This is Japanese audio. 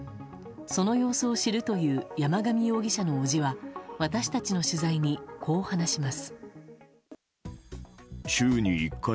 その様子を知るという山上容疑者の伯父は私たちの取材に、こう話します。